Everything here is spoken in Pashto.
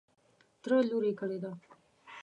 تره لوی کړی دی .